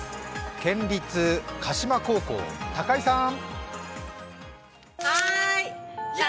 県立神島高校、鷹井さーん？